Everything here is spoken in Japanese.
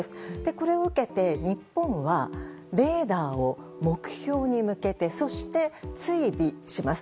これを受けて日本はレーダーを目標に向けてそして、追尾します。